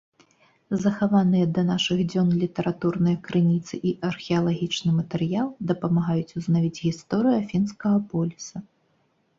Захаваныя да нашых дзён літаратурныя крыніцы і археалагічны матэрыял дапамагаюць узнавіць гісторыю афінскага поліса.